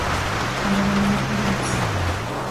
Dalada nima ko‘ryapsiz?